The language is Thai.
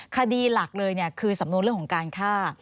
คดีหลักเลยคือสำนวนเรื่องของการฆ่า